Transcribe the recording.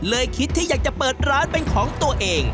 คิดที่อยากจะเปิดร้านเป็นของตัวเอง